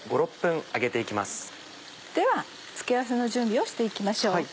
では付け合わせの準備をして行きましょう。